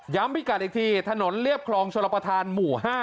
พิกัดอีกทีถนนเรียบคลองชลประธานหมู่๕